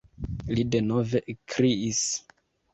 Li denove ekkriis.